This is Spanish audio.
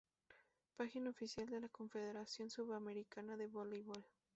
Página oficial de la Confederación Sudamericana de Voleibol